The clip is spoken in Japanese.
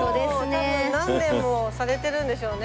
多分何年もされてるんでしょうね。